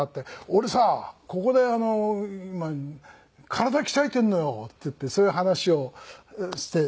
「俺さここで今体鍛えてるのよ」って言ってそういう話をして。